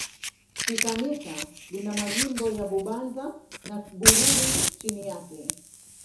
Kikanisa lina majimbo ya Bubanza na Bururi chini yake.